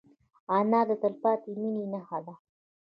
انا د تلپاتې مینې نښه ده